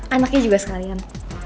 anaknya juga sekalian